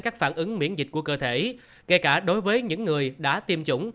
các phản ứng miễn dịch của cơ thể kể cả đối với những người đã tiêm chủng